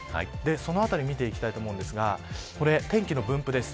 そのあたり見ていきたいと思うんですが天気の分布です。